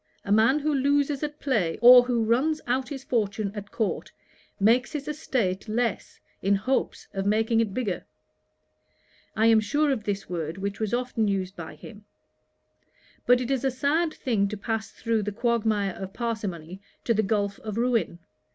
A man who loses at play, or who runs out his fortune at court, makes his estate less, in hopes of making it bigger: (I am sure of this word, which was often used by him:) but it is a sad thing to pass through the quagmire of parsimony, to the gulph of ruin.